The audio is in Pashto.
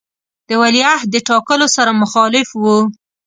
د ولیعهد د ټاکلو سره مخالف وو.